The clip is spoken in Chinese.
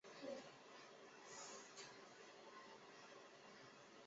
但麦克并未给予他侄子奖学金。